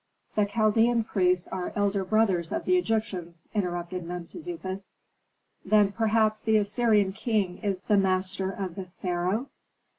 "The Chaldean priests are elder brothers of the Egyptians," interrupted Mentezufis. "Then perhaps the Assyrian king is the master of the pharaoh?"